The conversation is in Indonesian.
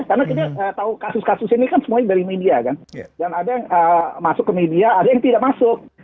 karena kita tahu kasus kasus ini kan semuanya dari media kan dan ada yang masuk ke media ada yang tidak masuk